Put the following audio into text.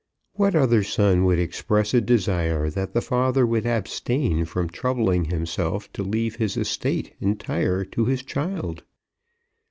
What other son would express a desire that the father would abstain from troubling himself to leave his estate entire to his child?